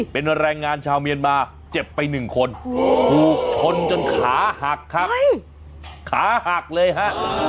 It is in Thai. เป็นแรงงานชาวเมียนบาร์เจ็บไป๑คนโอ้โหชนจนขาหักครับขาหักเลยฮะ